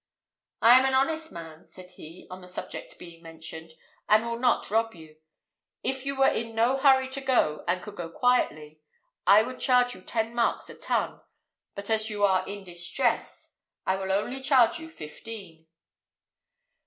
"I am an honest man," said he, on the subject being mentioned, "and will not rob you. If you were in no hurry to go, and could go quietly, I would charge you ten marks a ton; but as you are in distress, I will only charge you fifteen."